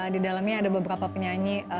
di dalamnya ada beberapa penyanyi